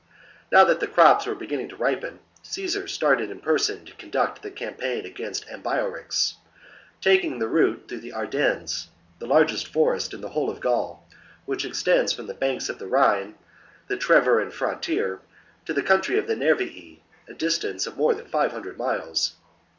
Now that the crops were beginning to ripen, Caesar started in person to conduct the campaign against Ambiorix, taking the route through the Ardennes, the largest forest in the whole of Gaul, which extends from the banks of the Rhine — the Treveran frontier — to the country of the Nervii, — a distance of more than five hundred miles.